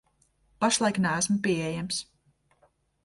Pašlaik neesmu pieejams.